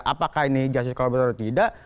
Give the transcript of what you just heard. apakah ini justice collaborator atau tidak